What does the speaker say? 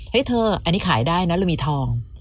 เธออันนี้ขายได้นะเรามีทอง